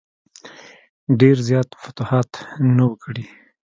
ډېر زیات فتوحات نه وه کړي.